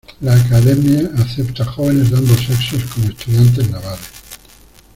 La academia acepta jóvenes de ambos sexos como estudiantes navales.